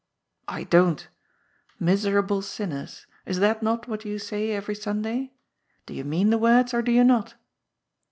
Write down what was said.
" I don't. ' Miserable sinners.' Is that not what you say every Sunday? Do you mean the words, or do you not?"